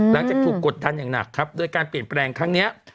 หลังจากถูกกดดันอย่างหนักครับโดยการเปลี่ยนแปลงครั้งนี้